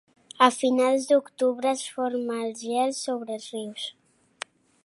A finals d'octubre es forma el gel sobre els rius.